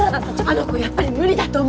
あの子やっぱり無理だと思う。